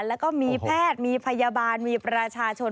แล้วก็มีแพทย์มีพยาบาลมีประชาชน